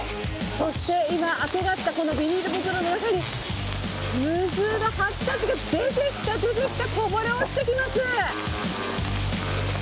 そして今、当てがったこのビニール袋の中に、無数のハチたちが出てきた、出てきた、こぼれ落ちてきます。